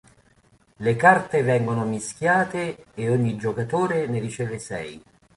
Le carte vengono mischiate e ogni giocatore ne riceve sei.